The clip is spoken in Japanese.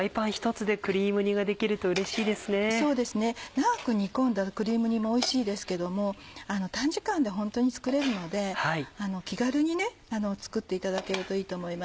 長く煮込んだクリーム煮もおいしいですけども短時間でホントに作れるので気軽に作っていただけるといいと思いますよ。